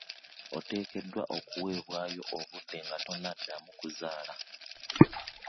Otekedwa okuwebwaayo obudde nga tonadamu kuzaala.